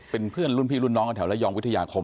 เป็นเพื่อนรุ่นพี่รุ่นน้องกันแถวระยองวิทยาคม